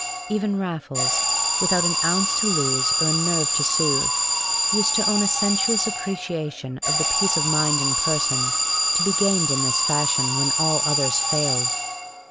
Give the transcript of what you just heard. Even Raffles, without an ounce to lose or a nerve to soothe, used to own a sensuous appreciation of the peace of mind and person to be gained in this fashion when all others failed.